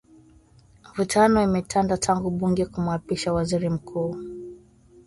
Mivutano imetanda tangu bunge kumwapisha Waziri Mkuu